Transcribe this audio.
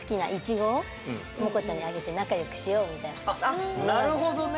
あっなるほどね！